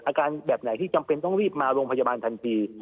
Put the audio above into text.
อาการแบบไหนที่จำเป็นต้องรีบมาโรงพยาบาลทันที